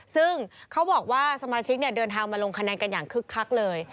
ซึ่งเขาบอกว่าสมาชิกเดินทางมาลงคะแนนกันอย่างคึกคักเลย